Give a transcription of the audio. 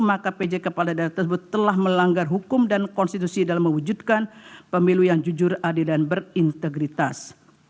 maka pj kepala daerah tersebut telah melanggar hukum dan konstitusi dalam mewujudkan pemilu yang jujur adil dan berintegritas